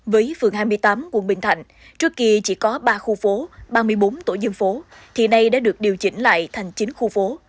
với phường hai mươi tám quận bình thạnh trước kia chỉ có ba khu phố ba mươi bốn tổ dân phố thì nay đã được điều chỉnh lại thành chín khu phố